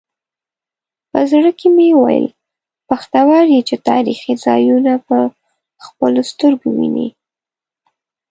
په زړه کې مې وویل بختور یې چې تاریخي ځایونه په خپلو سترګو وینې.